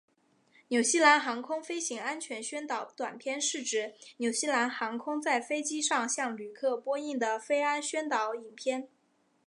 纽西兰航空飞行安全宣导短片是指纽西兰航空在飞机上向旅客播映的飞安宣导影片。